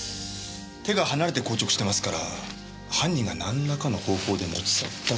手が離れて硬直してますから犯人がなんらかの方法で持ち去ったか。